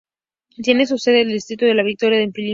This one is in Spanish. Tiene su sede en el distrito de La Victoria, en Lima, Perú.